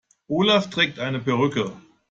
Olaf trägt eine Perücke.